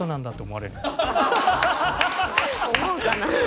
思うかな？